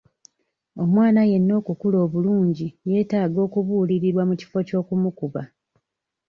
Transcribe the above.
Omwana yenna okukula obulungi yeetaaga okubuulirirwa mu kifo ky'okumukuba.